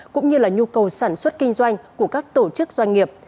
cũng như là nhu cầu sản xuất kinh doanh của các tổ chức doanh nghiệp